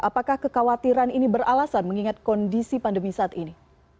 apakah kekhawatiran ini beralasan mengingat kondisi pandemi saat ini